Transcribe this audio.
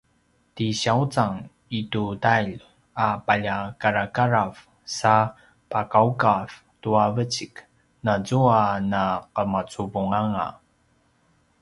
ti siawcang i tu tailj a paljakarakarav sa pagawgav tua vecik nazua na’emacuvunganga